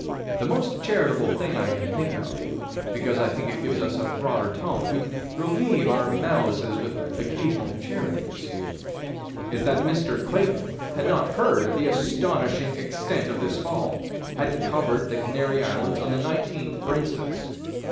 The most charitable thing I can think of because I think it gives us a broader tone to relieve our malices with occasional charities is that Mr. Clayton had not heard of the astonishing extent of this fall had covered the Canary Islands, on the 19th, for instance.